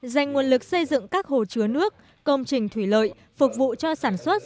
dành nguồn lực xây dựng các hồ chứa nước công trình thủy lợi phục vụ cho sản xuất